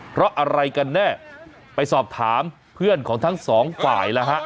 เพราะอะไรกันแน่ไปสอบถามเพื่อนของทั้งสองฝ่ายแล้วฮะ